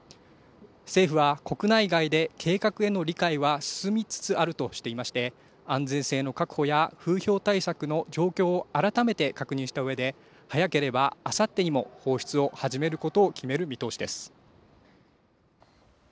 政府は国内外で計画への理解は進みつつあるとしていまして安全性の確保や風評対策の状況を改めて確認したうえで早ければあさってにも放出を始めることを決める見通しです。